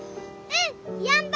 うん。